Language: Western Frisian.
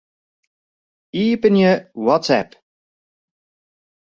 Iepenje WhatsApp.